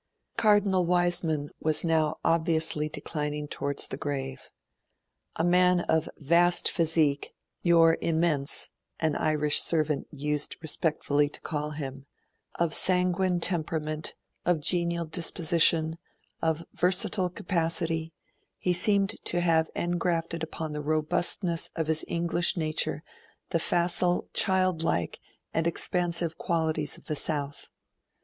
Cardinal Wiseman was now obviously declining towards the grave. A man of vast physique 'your immense', an Irish servant used respectfully to call him of sanguine temperament, of genial disposition, of versatile capacity, he seemed to have engrafted upon the robustness of his English nature the facile, child like, and expansive qualities of the South.